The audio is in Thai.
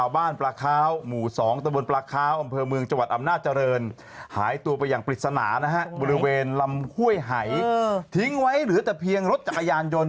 บริเวณลำค่วยไหยทิ้งไว้เหลือแต่เพียงรถจักรยานยนต์